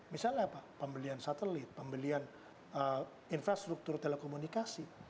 misalnya apa pembelian satelit pembelian infrastruktur telekomunikasi